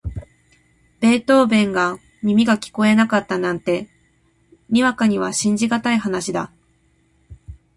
ベートーヴェンが耳が聞こえなかったなんて、にわかには信じがたい話だ。